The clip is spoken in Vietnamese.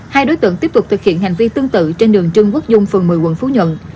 hai đối tượng tiếp tục thực hiện hành vi tương tự trên đường trương quốc dung phường một mươi quận phú nhuận